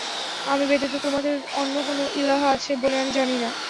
আমি ব্যতীত তোমাদের অন্য কোন ইলাহ আছে বলে আমি জানি না।